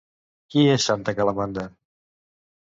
Qui és Santa Calamanda?